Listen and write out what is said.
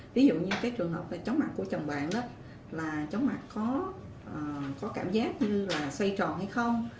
ví dụ như trường hợp chóng mặt của chồng bạn chóng mặt có cảm giác xoay tròn hay không